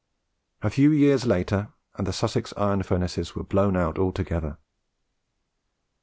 A few years later, and the Sussex iron furnaces were blown out altogether.